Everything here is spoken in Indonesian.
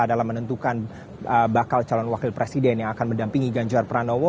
dalam menentukan bakal calon wakil presiden yang akan mendampingi ganjar pranowo